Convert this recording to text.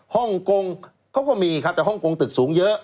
ฮ่องกงเขาก็มีครับแต่ฮ่องกงตึกสูงเยอะ